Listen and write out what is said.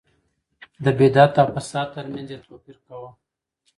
د بدعت او فساد ترمنځ يې توپير کاوه.